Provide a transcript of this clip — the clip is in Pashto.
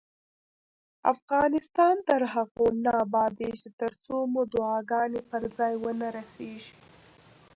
افغانستان تر هغو نه ابادیږي، ترڅو مو دعاګانې پر ځای ونه رسیږي.